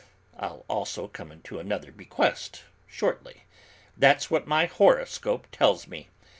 I'll also come into another bequest shortly. That's what my horoscope tells me.